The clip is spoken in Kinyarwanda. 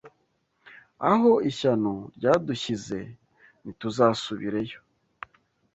Aho ishyano ryadushyize ntituzasubireyo